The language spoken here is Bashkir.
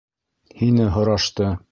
Һине һорашты.